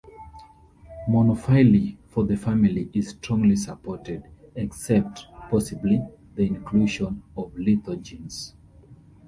Monophyly for the family is strongly supported, except, possibly, the inclusion of "Lithogenes".